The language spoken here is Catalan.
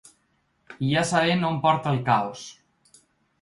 I ja sabem on porta el caos.